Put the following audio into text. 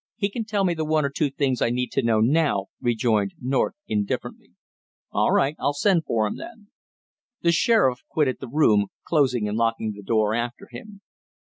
He can tell me the one or two things I need to know now," rejoined North indifferently. "All right, I'll send for him then." The sheriff quitted the room, closing and locking the door after him.